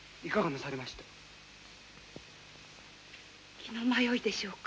気の迷いでしょうか。